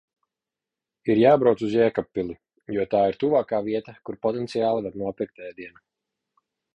Ir jābrauc uz Jēkabpili, jo tā ir tuvākā vieta, kur potenciāli var nopirkt ēdienu.